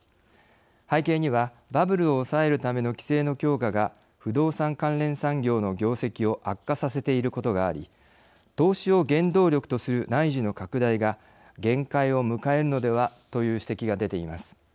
背景にはバブルを抑えるための規制の強化が不動産関連産業の業績を悪化させていることがあり投資を原動力とする内需の拡大が限界を迎えるのではという指摘が出ています。